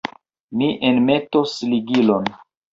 Mi enmetos ligilon.